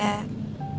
yang ada kesimpulannyak